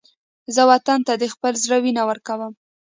زه وطن ته د خپل زړه وینه ورکوم